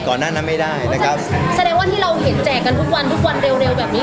หน้านั้นไม่ได้นะครับแสดงว่าที่เราเห็นแจกกันทุกวันทุกวันเร็วเร็วแบบนี้